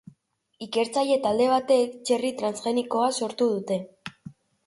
Ikertzaile talde batek txerri transgenikoa sortu du.